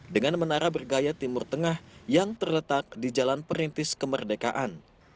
dengan menara bergaya timur tengah yang terletak di jalan perintis kemerdekaan